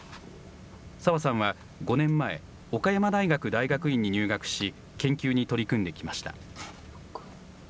沢さんは、５年前、岡山大学大学院に入学し、研究に取り組んできました。